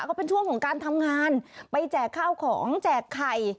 ก็เป็นช่วงของการทำงานไปแจกข้าวของแจกไข่